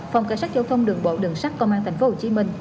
phòng cảnh sát giao thông đường bộ đường sát công an tp hcm